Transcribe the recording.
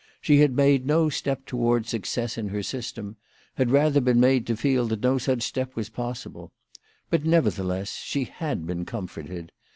She had made no step towards success in her system, had rather been made to feel that no such step was possible. But, nevertheless, she had been comforted.